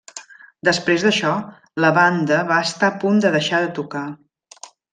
Després d'això la banda va estar a punt de deixar de tocar.